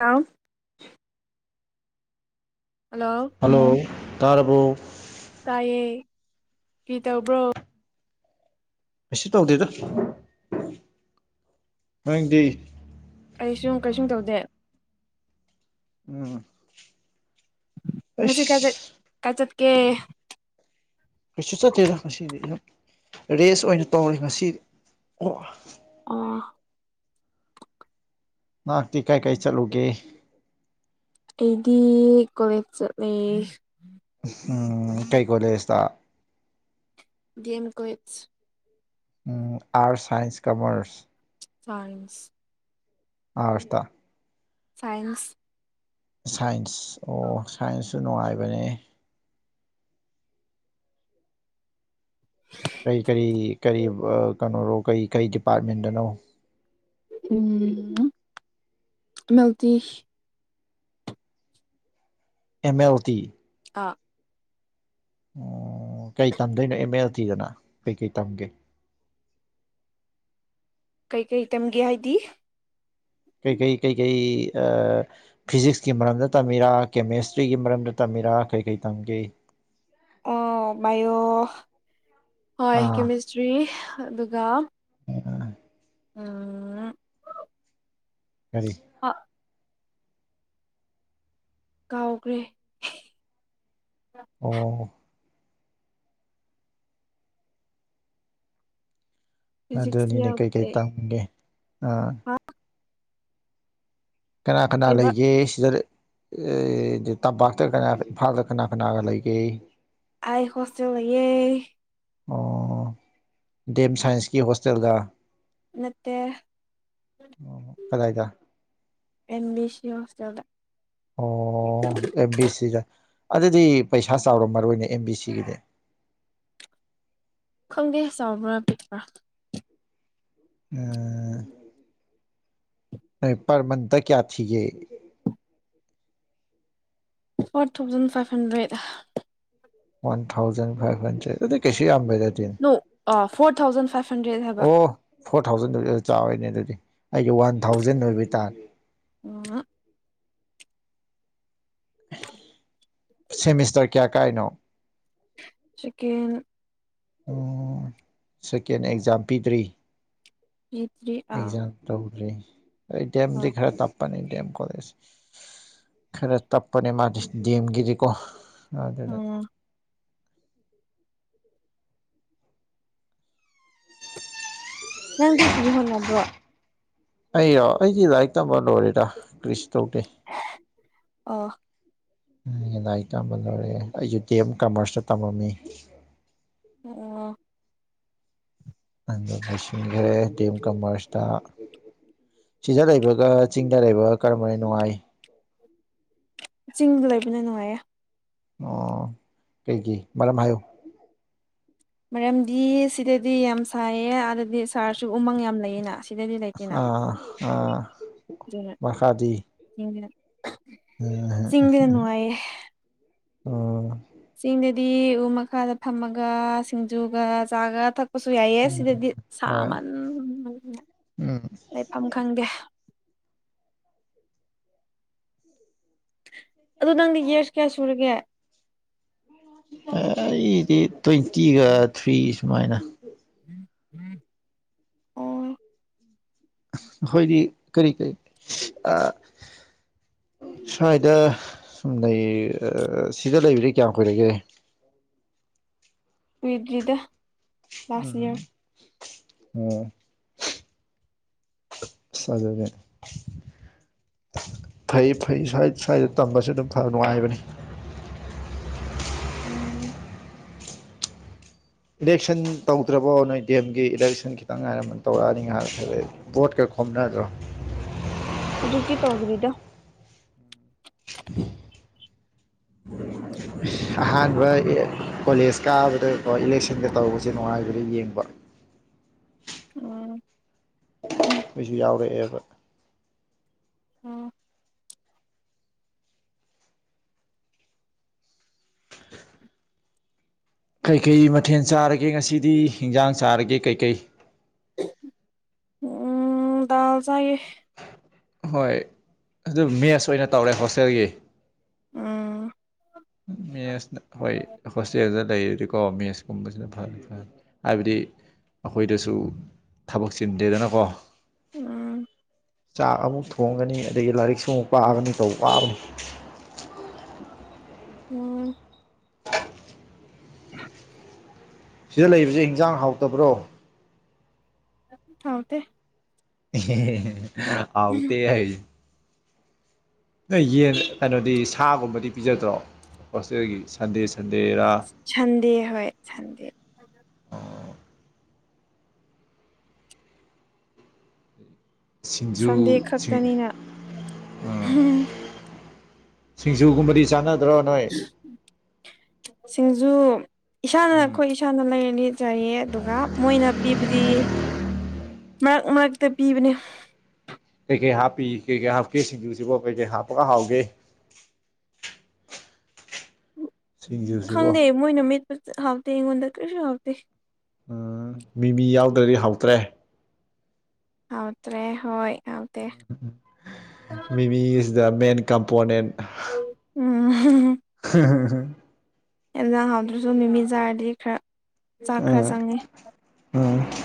ꯑꯥꯎ꯫ Hello. Hello ꯇꯥꯔꯔꯕꯣ ꯇꯥꯏꯌꯦ ꯀꯤ ꯇꯧꯕ꯭ꯔꯣ ꯀꯁꯨ ꯇꯧꯗꯦꯗ ꯅꯪꯗꯤ ꯑꯩ ꯁꯨꯝ ꯀꯩꯁꯨꯝ ꯇꯧꯗꯦ ꯎꯝ ꯉꯁꯤ ꯀꯆꯠ ꯑꯩꯁ ꯀꯆꯠ ꯀꯦ ꯀꯩꯁꯨ ꯆꯠꯇꯦꯗ ꯉꯁꯤꯗꯤ ꯌꯥꯝ ꯔꯦꯁ ꯑꯣꯏꯅ ꯇꯧꯔꯦ ꯉꯁꯤꯗꯤ ꯑꯣ ꯑꯣꯐ ꯉꯍꯥꯛꯇꯤ ꯀꯩ ꯀꯩ ꯆꯠꯂꯨꯒꯦ ꯑꯩꯗꯤ ꯀꯣꯋꯦ ꯀꯩ ꯀꯣꯂꯦꯖꯇ ꯦꯦꯝ ꯀꯣꯏꯆ ꯎ ꯑꯔꯠꯁ ꯁꯥꯏꯟꯁ ꯀꯃꯔꯁ ꯁꯥꯏꯟꯁ ꯑꯁ ꯁꯥꯏꯟꯁ ꯁꯥꯏꯟꯁ ꯑꯣ ꯁꯥꯏꯟꯁꯁꯨ ꯅꯨꯡꯉꯥꯏꯕꯅꯦ ꯀꯔꯤ ꯀꯔꯤ ꯀꯔꯤ ꯀꯩꯅꯣꯔꯣ ꯀꯔꯤ ꯀꯔꯤ ꯗꯤꯄꯥꯔꯠꯃꯦꯟꯗꯅꯣ ꯎꯝ ꯃꯇ ꯑꯦꯝ ꯑꯦꯜ ꯇꯤ ꯑꯥ ꯑꯣ ꯀꯩ ꯇꯝꯗꯣꯏꯅꯣ ꯑꯦꯝ ꯑꯦꯜ ꯇꯤꯗꯅ ꯀꯩꯀꯩ ꯇꯝꯒꯦ ꯀꯩ ꯀꯩ ꯇꯦꯝꯒꯦ ꯍꯥꯏꯗꯤ ꯀꯩ ꯀꯩ ꯀꯩ ꯀꯩ ꯑ ꯐꯤꯖꯤꯛꯁꯀꯤ ꯃꯔꯝꯗ ꯇꯝꯃꯤꯔꯥ ꯀꯦꯃꯦꯁꯇ꯭ꯔꯤꯒꯤ ꯃꯔꯝꯗ ꯇꯝꯃꯤꯔꯥ ꯀꯔꯤ ꯀꯔꯤ ꯇꯝꯒꯦ ꯕꯥꯏꯑꯣ ꯍꯣꯏ ꯑꯥ ꯀꯦꯃꯤꯁꯇ꯭ꯔꯤ ꯑꯗꯨꯒ ꯍꯕ ꯎꯝ ꯀꯒꯥꯔꯤ ꯑ ꯀꯥꯎꯈ꯭ꯔꯦ ꯑꯣ ꯐꯤꯖꯤꯛꯁ ꯑꯗꯨꯅꯤꯅꯦ ꯀꯩꯀꯩ ꯇꯥꯒꯦ ꯑꯥ ꯍ ꯀꯅꯥ ꯀꯅꯥ ꯀꯩꯕ ꯂꯩꯒꯦ ꯁꯤꯗ ꯇꯄꯥꯛꯇ ꯀꯅꯥ ꯏꯝꯐꯥꯜꯗ ꯀꯅꯥ ꯀꯅꯥꯒ ꯂꯩꯒꯦ ꯑꯥꯏ ꯍꯣꯁꯇꯦꯜ ꯂꯩꯌꯦ ꯑꯣ ꯗꯦꯝꯦꯝ ꯁꯥꯏꯟꯁꯀꯤ ꯍꯣꯁꯇꯦꯜꯒ ꯏꯠꯇ ꯀꯗꯥꯏꯗ ꯑꯦꯦꯝ ꯕꯤ ꯁꯤ ꯍꯣꯁꯇꯦꯜꯗ ꯑꯣ ꯑꯦꯝ ꯕꯤ ꯁꯤꯗ ꯑꯗꯨꯗꯤ ꯄꯩꯁꯥ ꯆꯥꯎꯔꯝꯃꯣꯏꯅꯦ ꯑꯦꯝ ꯕꯤ ꯁꯤꯒꯤꯗꯤ ꯈꯪꯒꯦ ꯆꯥꯎꯕ꯭ꯔꯥ ꯄꯤꯛꯄ꯭ꯔꯥ ꯄ ꯃꯟꯊ ꯀꯌꯥ ꯊꯤ four thousand five hundred one thousand five hundred ꯑꯗꯨ ꯀꯩꯁꯤ ꯑꯗ ꯅꯣ ꯐꯣꯔ ꯊꯥꯎꯖꯟ ꯐꯥꯏꯚ ꯍꯟꯗ꯭ꯔꯦꯗ ꯍꯥꯏꯕ ꯑꯣ ꯐꯣꯔ ꯊꯥꯎꯖꯟꯗꯨ ꯆꯥꯎꯋꯣꯏꯅꯦ ꯑꯗꯨꯗꯤ ꯑꯩꯒꯤ ꯋꯥꯟ ꯊꯥꯎꯖꯟ ꯑꯣꯏꯕꯩ ꯇꯥꯔꯦ ꯑꯣ ꯁꯦꯃꯤꯁꯇꯔ ꯀꯌꯥ ꯀꯥꯏꯅꯣ ꯆꯛꯦꯟ ꯎꯝ ꯁꯦꯀꯦꯟ ꯑꯦꯛꯖꯥꯝ ꯄꯤꯗ꯭ꯔꯤ ꯖꯤ ꯊ꯭ꯔꯤ ꯑꯥ ꯑꯦꯛꯖꯥꯝ ꯇꯧꯗ꯭ꯔꯤ ꯑꯦ ꯗꯦꯝ ꯗꯤ ꯍꯣꯏ ꯈꯔ ꯇꯞ ꯇꯞꯄꯅꯦ ꯗ‌ꯦꯝ ꯀꯣꯂ‌ꯦꯖ ꯈꯔ ꯇꯞꯄꯅꯦ ꯃꯥꯗꯤ ꯗꯦꯝꯒꯤꯗꯤꯀꯣ ꯑꯗꯨꯅ ꯎꯝ [unintelligible] [unintelligible] [unintelligible] ꯅꯪꯗꯤ ꯀ꯭ꯔꯤ ꯍꯣꯠꯅꯕ꯭ꯔꯣ ꯑꯩꯔ‌ꯣ ꯑꯩꯗꯤ ꯂꯥꯏꯔꯤꯛ ꯇꯝꯕ ꯂꯣꯔꯦꯗ ꯀꯔꯤꯁꯨ ꯇꯧꯗꯦ ꯑꯣ ꯂꯥꯏꯔꯤꯛ ꯇꯝꯕ ꯂꯣꯏꯔꯦ ꯑꯩꯁꯨꯨ ꯗꯤ ꯑꯦꯝ ꯀꯃꯔꯁꯇ ꯇꯝꯃꯝꯃꯤ ꯑꯣ ꯅ ꯂꯣꯏꯁꯤꯟꯈ꯭ꯔꯦ ꯗꯤ ꯑꯦꯝ ꯀꯃꯔꯁꯇ ꯁꯤꯗ ꯂꯩꯕꯒ ꯆꯤꯡꯗ ꯂꯩꯕ ꯀꯔꯝꯕꯅ ꯅꯨꯡꯉꯥꯏ ꯆꯤꯡꯗ ꯂꯩꯕꯅ ꯅꯨꯡꯉꯥꯏꯌꯦ ꯑꯣ ꯀꯩꯒꯤ ꯃꯔꯝ ꯍꯥꯏꯌꯨ ꯃꯔꯝꯗꯤ ꯁꯤꯗꯗꯤ ꯌꯥꯝ ꯁꯥꯏꯌꯦ ꯑꯥꯗꯗꯤ ꯁꯥꯔꯁꯨ ꯎꯃꯪ ꯌꯥꯝ ꯂꯩꯌꯦꯅ ꯁꯤꯗꯗꯤ ꯂꯩꯇꯦꯅ ꯑꯥ ꯑꯥ ꯑꯗꯨꯅ ꯃꯈꯥꯗꯤ ꯆꯤꯡꯗꯅ ꯅꯨꯡꯉꯥꯏꯌꯦ ꯎꯝ ꯆꯤꯡꯗꯗꯤ ꯎ ꯃꯈꯥꯗ ꯐꯝꯃꯒ ꯁꯤꯡꯖꯨꯒ ꯆꯥꯒ ꯊꯛ ꯄꯁꯨ ꯌꯥꯏꯌ‌ꯦ ꯁꯤꯗꯗꯤ ꯍꯣꯏ ꯁꯥꯃꯟ ꯎꯝ ꯂꯩꯐꯝ ꯈꯪꯗꯦ ꯑꯗ ꯅꯪꯗꯤ ꯏꯌꯔꯁ ꯀꯌꯥ ꯁꯨꯔꯒꯦ ꯑꯩꯗꯤ ꯇ꯭ꯋꯦꯟꯇꯤꯒ ꯊ꯭ꯔꯤ ꯁꯨꯃꯥꯏꯅ [unintelligible] ꯑꯣ ꯍꯣꯏꯗꯤ ꯀꯔꯤ ꯀꯔꯤ ꯑ ꯁ꯭ꯋꯥꯏꯗ ꯁꯨꯝ ꯂꯩ ꯑ ꯁꯤꯗ ꯂꯩꯕꯗꯤ ꯀꯌꯥꯝ ꯀꯨꯏꯔꯒꯦ ꯀꯨꯏꯗ꯭ꯔꯤꯗ ꯂꯥꯁ ꯎꯝ ꯏꯌꯥꯔ ꯑꯣ ꯁꯥꯖꯒꯦ ꯐꯩꯌ‌ꯦ ꯐꯩꯌ‌ꯦ ꯁ꯭ꯋꯥꯏ ꯁ꯭ꯋꯥꯏꯗ ꯇꯝꯕꯁꯨ ꯑꯗꯨꯝ ꯐ ꯅꯨꯡꯉꯥꯏꯕꯅꯤ ꯎꯝ ꯏꯂꯦꯛꯁꯟ ꯇꯧꯗ꯭ꯔꯕꯣ ꯅꯣꯏ ꯗꯤ ꯑꯦꯝꯒꯤ ꯏꯂꯦꯛꯁꯟ ꯈꯤꯇꯪ ꯉꯥꯏꯔꯝꯃ ꯇꯧꯔꯛꯑꯅꯤ [unintelligible] ꯚ‌ꯣꯠꯀ ꯈ‌ꯣꯝꯅꯗ꯭ꯔ‌ꯣ ꯍꯧꯖꯤꯛꯇꯤ ꯇꯧꯗ꯭ꯔꯤꯗ [unintelligible] ꯑꯍꯥꯟꯕ ꯀꯣꯂꯦꯖ ꯀꯥꯕꯗꯀꯣ ꯏꯂꯦꯛꯁꯟꯒ ꯇꯧꯕꯁꯦ ꯅꯨꯡꯉꯥꯏꯕꯅ‌ꯦ ꯌꯦꯡꯕ ꯎꯝ ꯑꯩꯁꯨ ꯌꯥꯎꯔꯛꯑꯦꯕ ꯑꯣ ꯀꯩꯀꯩ ꯃꯊꯦꯜ ꯆꯥꯔꯒꯦ ꯉꯁꯤꯗꯤ ꯍꯤꯟꯖꯥꯡ ꯆꯥꯔꯒꯦ ꯀꯩꯀꯩ ꯎꯝ ꯗꯥꯜ ꯆꯥꯏꯌ‌ꯦ ꯍꯣꯏ ꯑꯗꯨ ꯃꯦꯁ ꯑꯣꯏꯅ ꯇꯧꯔꯦ ꯍꯣꯁꯇꯦꯜꯒꯤ ꯎꯝ ꯃꯦꯁꯅ ꯍꯣꯏ ꯍꯣꯁꯇꯦꯜꯗ ꯂꯩꯔꯗꯤꯀꯣ ꯃꯦꯁ ꯀꯨꯝꯕꯁꯤꯅ ꯐꯔꯦ ꯐꯔꯦ ꯍꯥꯏꯕꯗꯤ ꯑꯩꯈꯣꯏꯗꯁꯨ ꯊꯕꯛ ꯆꯤꯟꯗꯦꯗꯅꯀꯣ ꯎꯝ ꯆꯥꯛ ꯑꯃꯨꯛ ꯊꯣꯡꯒꯅꯤ ꯑꯗꯒꯤ ꯂꯥꯏꯔꯤꯛꯁꯨ ꯑꯃꯨꯛ ꯄꯥꯒꯅꯤ ꯇꯧ ꯋꯥꯕꯅꯤ ꯎꯝ ꯁꯤꯗ ꯂꯩꯕꯁꯦ ꯍꯤꯟꯖꯥꯡ ꯍꯥꯎꯇꯕ꯭ꯔꯣ ꯍꯥꯎꯇ‌ꯦ ꯍꯥꯎꯇ‌ꯦ ꯍꯥꯏ ꯅꯣꯏ ꯌꯦꯟ ꯀꯩꯅꯣꯗꯤ ꯁꯥꯒꯨꯝꯕꯗꯤ ꯄꯤꯖꯗ꯭ꯔꯣ ꯍꯣꯁꯇꯦꯜꯒꯤ ꯁꯟꯗꯦ ꯁꯟꯗꯦꯔꯥ ꯁꯟꯗꯦ ꯍꯣꯏ ꯁꯟꯗꯦ ꯁꯟꯗꯦ ꯁꯤꯡꯖꯨꯁꯤꯡ ꯈꯛꯇꯅꯤꯅ ꯁꯤꯡꯖꯨꯒꯨꯝꯕꯗꯤ ꯆꯥꯟꯅꯗ꯭ꯔꯣ ꯅꯣꯏ ꯁꯤꯡꯖꯨ ꯏꯁꯥꯅ ꯑꯩꯈꯣꯏ ꯏꯁꯥꯅ ꯂꯩꯔꯅꯤ ꯆꯥꯏꯌꯦ ꯑꯗꯨꯒ ꯃꯣꯏꯅ ꯄꯤꯕꯗꯤ ꯃꯔꯛ ꯃꯔꯛꯇ ꯄꯤꯕꯅꯤ ꯀꯩꯀꯩ ꯍꯥꯞꯄꯤ ꯀꯩꯀꯩ ꯍꯥꯞꯀꯦ ꯁꯤꯡꯖꯨꯁꯤꯕꯣ ꯀꯩꯀꯩ ꯍꯥꯞꯄꯒ ꯍꯥꯎꯒꯦ ꯁꯤꯁꯤꯕꯣ ꯈꯪꯗꯦ ꯃꯣꯏꯅ ꯃꯤꯠꯄ ꯍꯥꯎꯇꯦ ꯑꯩꯉꯣꯟꯗ ꯀꯔꯤꯁꯨ ꯍꯥꯎꯇꯦ ꯎ ꯃꯤꯃꯤ ꯌꯥꯎꯗ꯭ꯔꯗꯤ ꯍꯥꯎꯇ꯭ꯔꯦ ꯑꯥꯎꯇ꯭ꯔꯦ ꯍꯣꯏ ꯑꯇ ꯃꯤꯃꯤꯁꯤꯗ ꯃꯦꯟ ꯀꯝꯄꯣꯅꯦꯟ ꯎꯝ [unintelligible] ꯑꯦꯖ ꯍꯥꯎꯗ꯭ꯔꯁꯨ ꯅꯨꯃꯤꯠ ꯆꯥꯔꯗꯤ ꯈꯔ ꯆꯥꯛ ꯈꯔ ꯎꯝ ꯆꯪꯉꯤ ꯎꯝ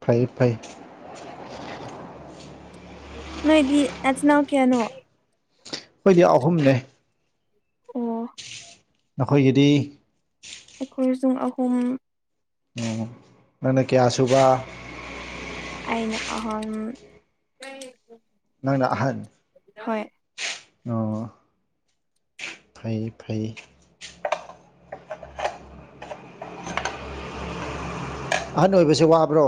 ꯐꯩ ꯐꯩ [unintelligible] ꯅꯣꯏ ꯏꯗꯤ ꯅꯆꯅꯅꯥꯎ ꯀꯌꯥꯅꯣ ꯑꯩꯈꯣꯏꯗꯤ ꯑꯍꯨꯝꯅꯦ ꯑꯣ ꯅꯈꯣꯏꯒꯤꯗꯤ ꯑꯩꯈꯣꯏꯁꯨ ꯑꯍꯨꯝ ꯎꯝ ꯅꯪꯅ ꯀꯌꯥ ꯁꯨꯕ ꯑꯩꯅ ꯑꯍꯜ ꯅꯪꯅ ꯑꯍꯟ ꯍꯣꯏ ꯑꯣ ꯐꯩ ꯐꯩ ꯑꯍꯟ ꯑꯣꯏꯕꯁꯦ ꯋꯥꯕ꯭ꯔꯣ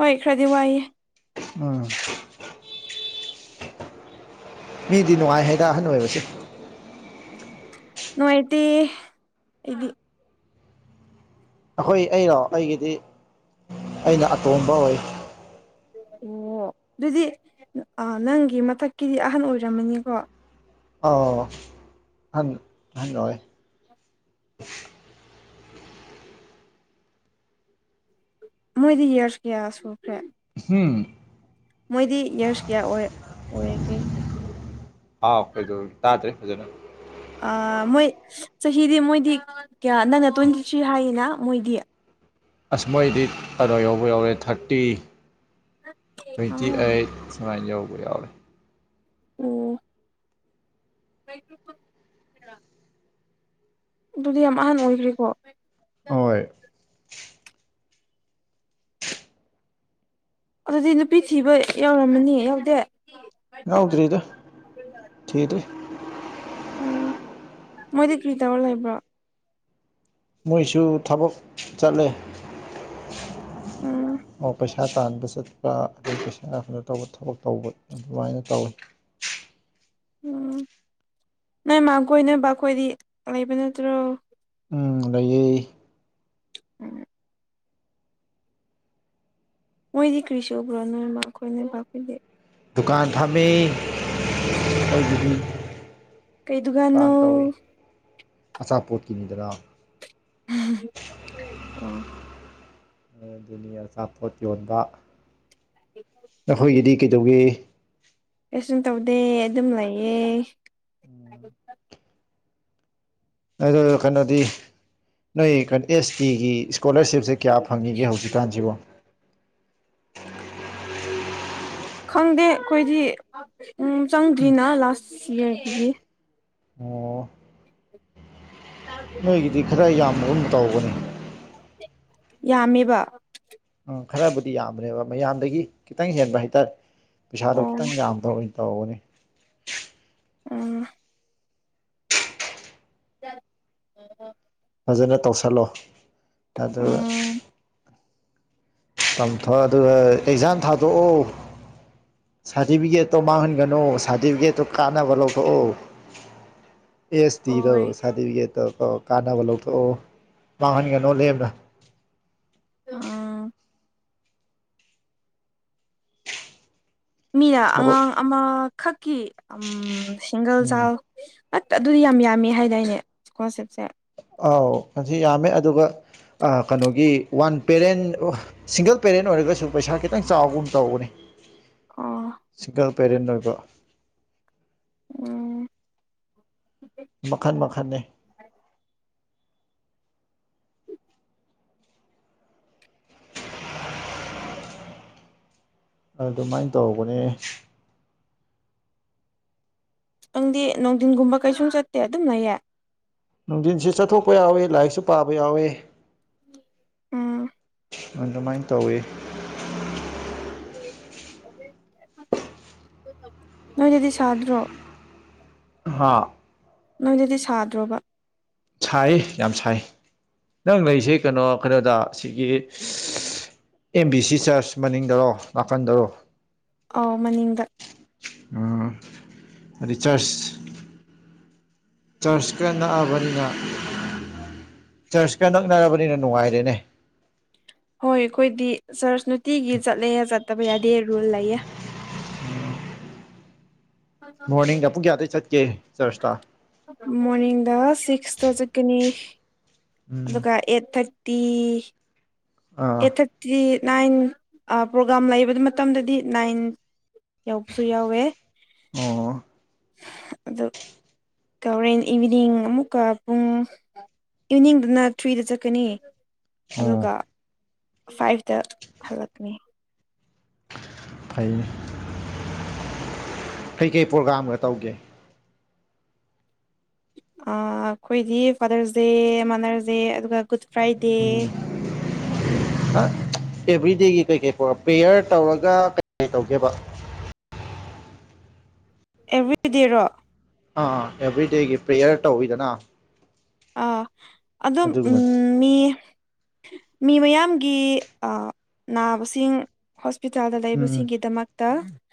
ꯍꯣꯏ ꯈꯔꯗꯤ ꯋꯥꯏꯌꯦ ꯎꯝ ꯃꯤꯗꯤ ꯅꯨꯡꯉꯥꯏ ꯍꯥꯏꯗ ꯑꯍꯟ ꯑꯣꯏꯕꯁꯦ ꯅꯅꯨꯡ ꯑꯇ ꯏꯗꯤ ꯑꯩꯈꯣꯏ ꯑꯩꯔꯣ ꯑꯩꯒꯤꯗꯤ ꯑꯩꯅ ꯑꯇꯣꯝꯕ ꯑꯣꯏ ꯑꯣ ꯑꯗꯨꯗꯤ ꯅꯪꯒꯤ ꯃꯊꯛꯀꯤꯗꯤ ꯑꯍꯟ ꯑꯣꯏꯔꯝꯃꯅꯤꯀꯣ ꯑꯥꯎ ꯍ ꯍꯟꯣꯏ ꯃꯣꯏꯗꯤ ꯌꯦꯔꯁ ꯀꯌꯥ ꯁꯨꯈꯦꯔ ꯍꯝ ꯃꯣꯏꯗꯤ ꯌꯔꯁ ꯀꯌꯥ ꯑꯣꯏ ꯑꯣꯏꯔꯒꯦ ꯍꯥꯎ ꯀꯩꯗꯧ ꯇꯥꯗ꯭ꯔꯦ ꯐꯖꯅ ꯑꯥ ꯃꯣꯏ ꯆꯍꯤꯗꯤ ꯃꯣꯏꯗꯤ ꯀꯌꯥ ꯅꯪꯅ ꯇ꯭ꯋꯦꯟꯇꯤ ꯊ꯭ꯔꯤ ꯍꯥꯏꯌꯦꯅ ꯃꯣꯏꯗꯤ ꯑꯁ ꯃꯣꯏꯗꯤ ꯑꯗꯥꯋꯥ ꯌꯥꯎꯕ ꯌꯥꯎꯔꯦ ꯊꯥꯔꯇꯤ ꯇ꯭ꯋꯦꯟꯇꯤ ꯑꯥꯎ ꯑꯩꯠ ꯁꯃꯥꯏꯅ ꯌꯧꯕ ꯌꯥꯎꯔꯦ ꯑꯣ ꯀꯩꯒꯤ ꯑꯗꯨꯗꯤ ꯌꯥꯝ ꯑꯍꯥꯟ ꯑꯣꯏꯈ꯭ꯔꯦꯀꯣ ꯍꯣꯏ ꯑꯗꯨꯗꯤ ꯅꯨꯄꯤ ꯊꯤꯕ ꯌꯥꯎꯔꯝꯃꯅꯤ ꯌꯥꯎꯗꯦ ꯉꯎꯗꯔꯤꯗ ꯊꯥꯗ꯭ꯔꯤ ꯎꯝ ꯃꯣꯏꯗꯤ ꯀ꯭ꯔꯤ ꯇꯧꯔ ꯂꯩꯕ꯭ꯔꯣ ꯃꯣꯏꯁꯨ ꯊꯕꯛ ꯆꯠꯂꯦ ꯎꯝ ꯑꯣ ꯄꯩꯁꯥ ꯇꯥꯟꯕꯁꯨ ꯑꯥ ꯄꯩꯁꯥ ꯀꯩꯅꯣ ꯇꯧꯕ ꯊꯕꯛ ꯇꯧꯕ ꯑꯗꯨꯃꯥꯏꯅ ꯇꯧꯋꯤ ꯎꯝ ꯅꯣꯏ ꯃꯥꯥ ꯀꯣꯏꯅꯕ ꯑꯩꯈꯣꯏꯗꯤ ꯂꯩꯕ ꯅꯠꯇ꯭ꯔꯣ ꯎꯝ ꯂꯩꯌꯦ ꯎꯝ ꯃꯣꯏꯗꯤ ꯀ꯭ꯔꯤꯁꯨ ꯁꯨꯕ꯭ꯔꯣ ꯅꯣꯏꯃꯥ ꯈꯣꯏ ꯅꯣꯏꯕꯥ ꯃꯣꯏꯗꯤ ꯗꯨꯀꯥꯟ ꯐꯝꯃꯤ ꯈꯣꯏꯒꯤꯗꯤ ꯀꯩ ꯗꯨꯀꯥꯟꯅꯣ ꯗꯨꯀꯥꯟ ꯇꯧꯏ ꯑꯆꯥꯄꯣꯠꯀꯤꯅꯤꯗꯅ [unintelligible] ꯑꯣ ꯑ ꯑꯗꯨꯅꯤ ꯑꯆꯥꯄꯣꯠ ꯌꯣꯟꯕ ꯅꯈꯣꯏꯒꯤꯗꯤ ꯀꯩꯗꯧꯒꯦ ꯀꯩ ꯁꯨꯝ ꯇꯧꯗꯦ ꯑꯗꯨꯝ ꯂꯩꯌꯦ ꯎꯝ ꯑꯗꯨ ꯀꯩꯅꯣꯗꯤ ꯅꯣꯏ ꯀꯩꯅꯣ ꯑꯦꯁ ꯇꯤꯒꯤ ꯏꯁꯀꯣꯂꯥꯔꯁꯤꯞꯁꯦ ꯀꯌꯥ ꯐꯪꯉꯤꯒꯦ ꯍꯧꯖꯤꯛꯀꯥꯟꯁꯤꯕꯨ ꯈꯪꯗꯦ ꯑꯩꯈꯣꯏꯗꯤ ꯎꯝ ꯆꯪꯗ꯭ꯔꯤꯅ ꯂꯥꯁ ꯌꯥꯔꯒꯤꯗꯤ ꯑꯣ [unintelligible] ꯅꯣꯏꯒꯤꯗꯤ ꯈꯔ ꯌꯥꯝꯕꯒꯨꯝ ꯇꯥꯎꯕꯅꯤ ꯌꯥꯝꯃꯤꯕ ꯎ ꯈꯔꯕꯨꯗꯤ ꯌꯥꯝꯕꯅꯦꯕ ꯃꯌꯥꯝꯗꯒꯤ ꯈꯤꯇꯪ ꯍꯦꯟꯕ ꯍꯥꯏꯇꯥꯔꯦ ꯄꯩꯁꯥꯗꯣ ꯑꯣ ꯈꯤꯇꯪ ꯌꯥꯝꯕ ꯑꯣꯏꯅ ꯇꯧꯕꯅꯤ ꯎꯝ [unintelligible] ꯐꯖꯅ ꯇꯧꯁꯜꯂꯣ ꯑꯗꯨꯒ ꯎꯝ ꯇꯝꯊꯣꯛ ꯑꯗꯨꯒ ꯑꯦꯛꯖꯥꯝ ꯊꯥꯗꯣꯛꯑꯣ ꯁꯥꯔꯇꯤꯐꯤꯀꯦꯠꯇꯣ ꯃꯥꯡꯍꯟꯒꯅꯨ ꯁꯥꯔꯇꯤꯐꯤꯀꯦꯠꯇꯣ ꯀꯥꯟꯅꯕ ꯂꯧꯊꯣꯛꯎ [unintelligible] ꯑꯦꯁ ꯇꯤꯗ ꯍꯣꯏ ꯁꯥꯔꯇꯤꯐꯤꯀꯦꯠꯇꯣ ꯀꯥꯟꯅꯕ ꯂꯧꯊꯣꯛꯑꯣ ꯃꯥꯡꯍꯟꯒꯅꯣ ꯂꯦꯝꯅ ꯑꯥ ꯃꯤꯅ ꯊꯕꯛ ꯑꯉꯥꯡ ꯑꯃꯈꯛꯀꯤ ꯁꯤꯡꯒꯜ ꯎꯝ ꯆꯥꯏꯜ ꯑꯠ ꯑꯗꯨꯗꯤ ꯌꯥꯝ ꯌꯥꯝꯃꯤ ꯍꯥꯏꯗꯤꯏꯅꯦ ꯏꯁꯀꯣꯂꯥꯔꯁꯤꯞꯁꯦ ꯑꯥꯎ ꯑꯁꯤ ꯌꯥꯝꯃꯦ ꯑꯗꯨꯒ ꯀꯩꯅꯣꯒꯤ ꯋꯥꯟ ꯄꯦꯔꯦꯟ ꯁꯤꯡꯒꯜ ꯄꯦꯔꯦꯟ ꯑꯣꯏꯔꯒꯁꯨ ꯄꯩꯁꯥ ꯈꯤꯇꯪ ꯆꯥꯎꯕꯒꯨꯝ ꯇꯧꯕꯅꯦ ꯑꯣ ꯁꯤꯡꯒꯜ ꯄꯦꯔꯦꯟ ꯑꯣꯏꯕ ꯎꯝ ꯃꯈꯟ ꯃꯈꯜꯅꯤ ꯎ ꯑꯗꯨꯃꯥꯏꯅ ꯇꯧꯕꯅꯦ ꯅꯪꯗꯤ ꯅꯨꯡꯊꯤꯟꯒꯨꯝꯕ ꯀꯩꯁꯨꯝ ꯆꯠꯇꯦ ꯑꯗꯨꯝꯅꯌꯦ ꯅꯨꯡꯊꯤꯟꯁꯨ ꯆꯠꯊꯣꯛꯄ ꯌꯥꯎꯋꯤ ꯂꯥꯏꯔꯤꯛꯁꯨ ꯄꯥꯕ ꯌꯥꯎꯋꯤ ꯎꯝ ꯑꯗꯨꯃꯥꯏꯅ ꯇꯧꯋꯤ [unintelligible] ꯅꯣꯏꯗꯗꯤ ꯁꯥꯗ꯭ꯔꯣ ꯍꯥꯥ ꯅꯪꯗꯗꯤ ꯁꯥꯗ꯭ꯔꯣꯕ ꯁꯥꯏ ꯌꯥꯝ ꯁꯥꯏ ꯅꯪ ꯂꯩꯁꯦ ꯀꯩꯅꯣ ꯀꯩꯅꯣꯗ ꯁꯤꯒꯤ ꯑꯦꯝ ꯕꯤ ꯁꯤ ꯆꯔꯆ ꯃꯅꯤꯡꯗꯔꯣ ꯅꯥꯀꯟꯗꯔꯣ ꯑꯣ ꯃꯅꯤꯡꯗ ꯑꯗꯨ ꯆꯔꯁ ꯆꯔꯆꯀ ꯅꯛꯑꯕꯅꯤꯅ ꯆꯔꯆꯀ ꯅꯛꯅꯔꯕꯅꯤꯅ ꯅꯨꯡꯉꯥꯏꯔꯦꯅꯦ ꯍꯣꯏ ꯑꯩꯈꯣꯏꯗꯤ ꯆꯔꯆ ꯅꯨꯡꯇꯤꯒꯤ ꯆꯠꯂꯦ ꯆꯠꯇꯕ ꯌꯥꯗꯦ ꯔꯨꯜ ꯂꯩꯌꯦ ꯃꯣꯔꯅꯤꯡꯗ ꯄꯨꯡ ꯀꯌꯥꯗꯩ ꯆꯠꯀꯦ ꯆꯔꯁꯇꯥ ꯃꯣꯔꯅꯤꯡꯗ ꯁꯤꯛꯁꯇ ꯆꯠꯀꯅꯤ ꯎꯝ ꯑꯗꯨꯒ ꯑꯩꯠ ꯊꯥꯔ ꯇꯤ ꯑꯥ ꯑꯦꯇꯠ ꯁꯤ ꯅꯥꯏꯟ ꯄ꯭ꯔꯣꯒꯥꯝ ꯂꯩꯕ ꯃꯇꯝꯗꯗꯤ ꯅꯥꯏꯟ ꯌꯥꯎꯕꯁꯨ ꯌꯥꯎꯋꯦ ꯑꯣ ꯑ ꯍꯣꯔꯦꯟ ꯏꯚꯤꯅꯤꯡ ꯑꯃꯨꯛꯀ ꯄꯨꯡ ꯏꯚꯅꯤꯡꯗꯅ ꯊ꯭ꯔꯤꯗ ꯆꯠꯀꯅꯤ ꯑꯣ ꯑꯗꯨꯒ ꯐꯥꯏꯚꯇ ꯍꯜꯂꯛꯀꯅꯤ ꯐꯩꯅꯦ ꯀꯩꯀꯩ ꯄ꯭ꯔꯣꯒꯥꯥꯝꯒ ꯇꯧꯒꯦ ꯑꯩꯈꯣꯏꯗꯤ ꯐꯥꯗꯔꯁ ꯗꯦ ꯃꯥꯗꯔꯁ ꯗꯦ ꯑꯗꯨꯒ ꯒꯨꯗ ꯐ꯭ꯔꯥꯏꯗꯦ [unintelligible] ꯑꯦꯚ꯭ꯔꯤꯗꯦꯒꯤ ꯀꯩ ꯀꯩꯔ ꯄ꯭ꯔꯣꯌꯔ ꯇꯧꯔꯒ ꯀꯩ ꯇꯧꯒꯦꯕ ꯑꯦꯕ꯭ꯔꯤꯗꯦꯔꯣ ꯑꯥꯥ ꯑꯦꯕ꯭ꯔꯤꯗꯦꯒꯤ ꯄ꯭ꯔꯦꯌꯔ ꯇꯧꯋꯤꯗꯅ ꯑ ꯑꯗꯨꯝ ꯑꯗꯨꯒꯨꯝꯕ ꯎꯝ ꯃꯤ ꯃꯤ ꯃꯌꯥꯝꯒꯤ ꯅꯥꯕꯁꯤꯡ ꯍꯣꯁꯄꯤꯇꯥꯜꯗ ꯎꯝ ꯂꯩꯕꯁꯤꯡꯒꯤꯗꯃꯛꯇ